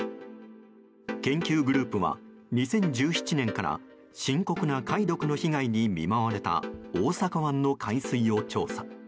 研究グループは２０１７年から深刻な貝毒の被害に見舞われた大阪湾の海水を調査。